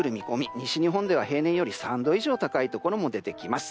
西日本では平年より３度以上高いところも出てきます。